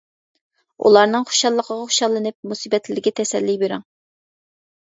ئۇلارنىڭ خۇشاللىقىغا خۇشاللىنىپ، مۇسىبەتلىرىگە تەسەللى بېرىڭ.